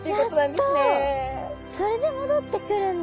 それで戻ってくるんだ。